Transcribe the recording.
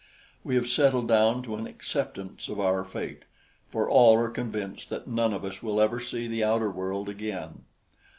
We have settled down to an acceptance of our fate, for all are convinced that none of us will ever see the outer world again.